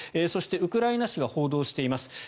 そしてウクライナ紙が報道しています。